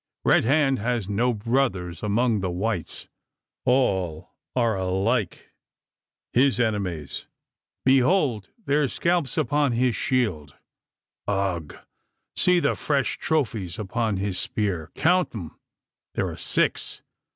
Red hand has no brothers among the whites: all are alike his enemies! Behold their scalps upon his shield! Ugh! See the fresh trophies upon his spear! Count them! There are six!